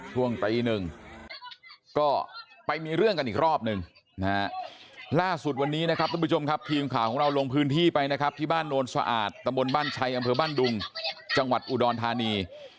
ช่วงตีหนึ่งก็ไปมีเรื่องกันอีกรอบหนึ่งนะฮะล่าสุดวันนี้นะครับทุกผู้ชมครับทีมข่าวของเราลงพื้นที่ไปนะครับที่บ้านโนนสะอาดตำบลบ้านชัยอำเภอบ้านดุงจังหวัดอุดรธานี